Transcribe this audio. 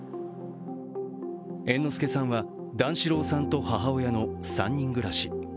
猿之助さんは段四郎さんと母親の３人暮らし。